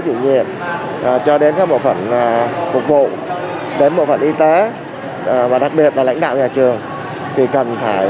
thử nghiệm cho đến các bộ phận phục vụ đến bộ phận y tế và đặc biệt là lãnh đạo nhà trường thì cần phải